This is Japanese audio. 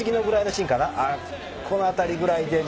この辺りぐらいですね。